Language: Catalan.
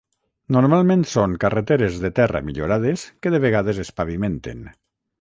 Normalment són carreteres de terra millorades que de vegades es pavimenten.